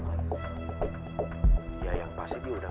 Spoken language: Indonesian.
hah jadi mana sekarang